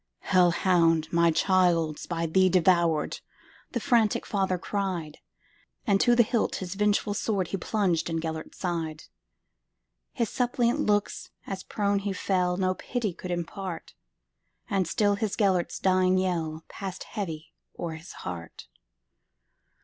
"Hell hound! my child 's by thee devoured,"The frantic father cried; And to the hilt his vengeful swordHe plunged in Gêlert's side. His suppliant looks, as prone he fell, No pity could impart; But still his Gêlert's dying yellPassed heavy o'er his heart.